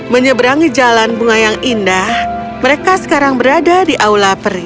menyeberangi jalan bunga yang indah mereka sekarang berada di aula peri